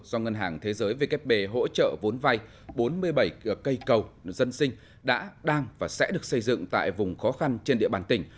do ngân hàng thế giới vkp hỗ trợ vốn vay bốn mươi bảy cây cầu dân sinh đã đang và sẽ được xây dựng tại vùng khó khăn trên địa bàn tỉnh